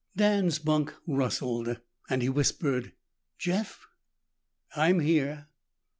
Dan's bunk rustled and he whispered, "Jeff." "I'm here."